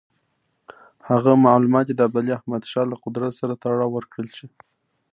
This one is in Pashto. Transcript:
هغه معلومات دې د ابدالي احمدشاه له قدرت سره تړاو ورکړل شي.